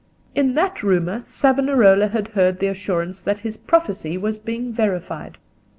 And in that rumour Savonarola had heard the assurance that his prophecy was being verified.